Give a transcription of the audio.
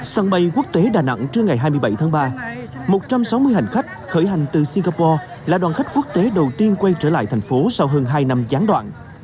sân bay quốc tế đà nẵng trưa ngày hai mươi bảy tháng ba một trăm sáu mươi hành khách khởi hành từ singapore là đoàn khách quốc tế đầu tiên quay trở lại thành phố sau hơn hai năm gián đoạn